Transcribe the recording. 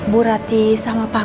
bu rati sama pak